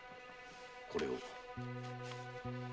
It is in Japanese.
これを。